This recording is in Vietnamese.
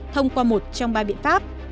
thông qua một trong ba biện pháp